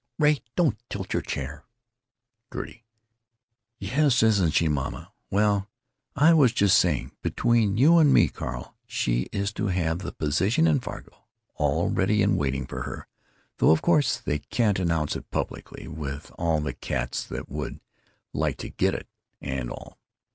Ray! Don't tilt your chair!" Gertie: "Yes, isn't she, mamma.... Well, I was just saying: between you and me, Carl, she is to have the position in Fargo all ready and waiting for her, though of course they can't announce it publicly, with all the cats that would like to get it, and all.